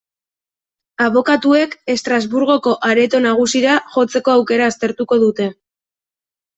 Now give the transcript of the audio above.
Abokatuek Estrasburgoko Areto Nagusira jotzeko aukera aztertuko dute.